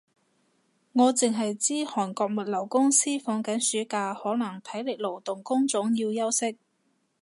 我剩係知韓國物流公司放緊暑假，可能體力勞動工種要休息